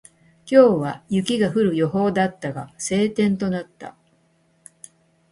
今日は雪が降る予報だったが、晴天となった。